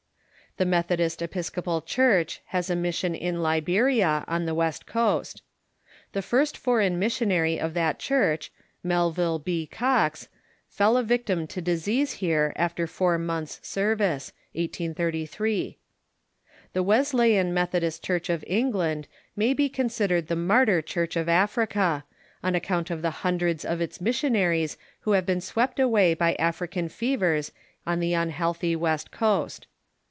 The Methodist African Missions ,^• i .r^i i i ••• t i • Episcopal Church has a mission in Liberia, on the west coast. The first foreign missionary of that Church, Melville B. Cox, fell a victim to disease here after four months' service (1833). The Wesleyan Methodist Church of England may be considered the martyr Church of Africa, on account of the hundreds of its missionaries who have been swept away by African fevers on the unhealthy west coast.